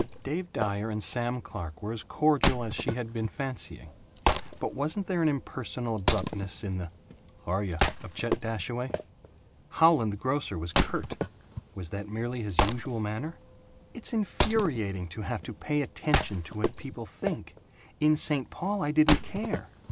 Dave Dyer and Sam Clark were as cordial as she had been fancying; but wasn't there an impersonal abruptness in the "H' are yuh?" of Chet Dashaway? Howland the grocer was curt. Was that merely his usual manner? "It's infuriating to have to pay attention to what people think. In St. Paul I didn't care.